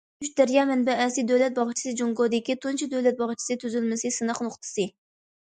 ئۈچ دەريا مەنبەسى دۆلەت باغچىسى جۇڭگودىكى تۇنجى دۆلەت باغچىسى تۈزۈلمىسى سىناق نۇقتىسى.